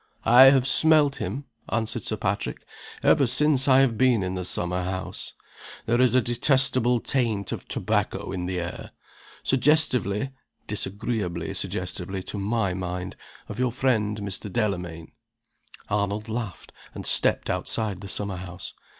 "I have smelt him," answered Sir Patrick, "ever since I have been in the summer house. There is a detestable taint of tobacco in the air suggestive (disagreeably suggestive to my mind) of your friend, Mr. Delamayn." Arnold laughed, and stepped outside the summer house.